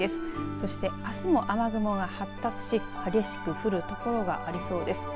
そしてあすも雨雲が発達し激しく降るところがありそうです。